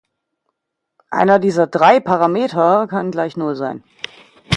Einer dieser drei Parameter kann gleich Null sein.